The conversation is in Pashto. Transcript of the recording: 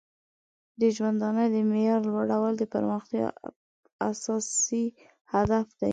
د ژوندانه د معیار لوړول د پرمختیا اساسي هدف دی.